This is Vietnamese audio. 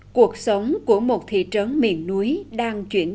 cuộc sống của một thị trấn miền núi đang chuyển